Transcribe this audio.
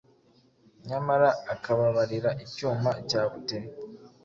nyamara akababarira icyuma cya Buteri.